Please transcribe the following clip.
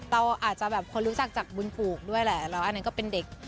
เราอาจจะแบบคนรู้จักจากบุญปลูกด้วยแหละแล้วอันนั้นก็เป็นเด็ก